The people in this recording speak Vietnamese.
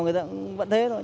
người ta cũng vẫn thế thôi